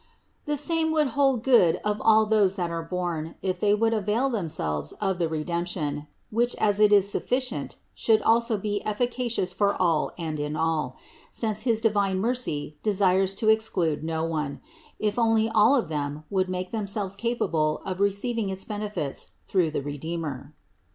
The same would hold good of all those that are born, if they would avail themselves of the Redemption, which, as it is suffi cient, should also be efficacious for all and in all; since his divine mercy desired to exclude no one, if only all of them would make themselves capable of receiving its benefits through the Redeemer.